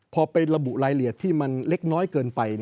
พอไประบุรายละเอียดที่มันเล็กน้อยเกินไป